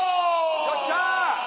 よっしゃ！